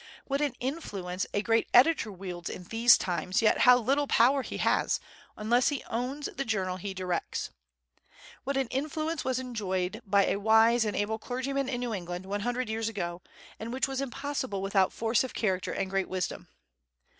What an influence a great editor wields in these times, yet how little power he has, unless he owns the journal he directs! What an influence was enjoyed by a wise and able clergyman in New England one hundred years ago, and which was impossible without force of character and great wisdom!